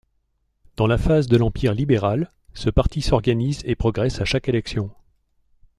Dans la phase de l'Empire libéral, ce parti s'organise et progresse à chaque élection.